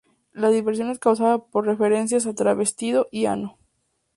La diversión es causada por referencias a "travestido" y "ano".